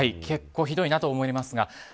結構ひどいなと思いますが。